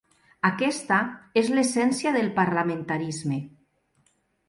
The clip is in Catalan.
Aquesta és l’essència del parlamentarisme.